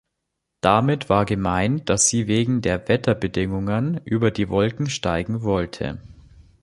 Damit war gemeint, dass sie wegen der Wetterbedingungen über die Wolken steigen wollte.